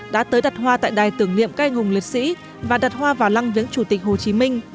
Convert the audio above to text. đã tới đặt hoa tại đài tưởng niệm các anh hùng liệt sĩ và đặt hoa vào lăng viếng chủ tịch hồ chí minh